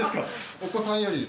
お子さんより。